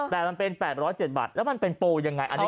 แต่มันเป็น๘๐๗บาทแล้วมันเป็นปูยังไง